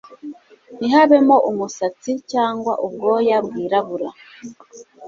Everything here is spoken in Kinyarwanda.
ntihabemo umusatsi cyangwa ubwoya byirabura